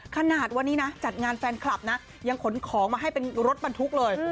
ขนาดวันนี้นะจัดงานแฟนคลับนะยังขนของมาให้เป็นรถบรรทุกเลย